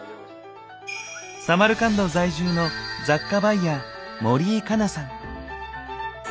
サマルカンド在住の雑貨バイヤー盛井佳菜さん。